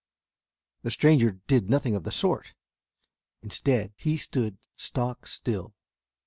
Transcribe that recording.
The stranger did nothing of the sort. Instead, he stood stock still.